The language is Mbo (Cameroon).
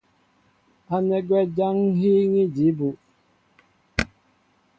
Ánɛ́ gwɛ́ jǎn ŋ́ hííŋí jǐ bú.